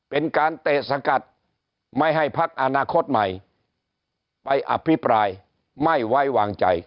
เป็นการเตะสกัดไม่ให้พักอนาคตใหม่ไปอภิปรายไม่ไว้วางใจ